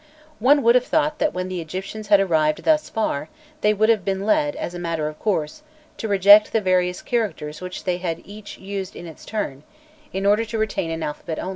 One would have thought that when the Egyptians had arrived thus far, they would have been led, as a matter of course, to reject the various characters which they had used each in its turn, in order to retain an alphabet only.